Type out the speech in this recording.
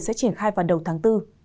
sẽ triển khai vào ngày ba mươi một tháng ba